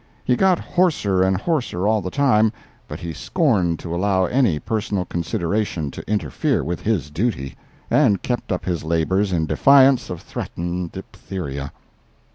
He got hoarser and hoarser all the time, but he scorned to allow any personal consideration to interfere with his duty, and kept up his labors in defiance of threatened diphtheria.